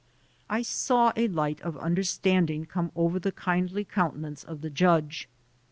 I saw a light of under standing come over the kindly countenance of the judge.